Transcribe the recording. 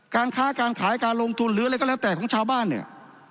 การค้าการขายการลงทุนหรืออะไรก็แล้วแต่ของชาวบ้านเนี่ย